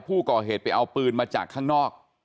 ผู้ก่อเหตุไปเอาปืนมาจากข้างนอก